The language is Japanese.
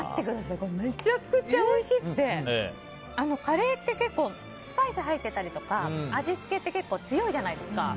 これ、めちゃくちゃおいしくてカレーって結構スパイス入ってたりとか味付けって結構強いじゃないですか。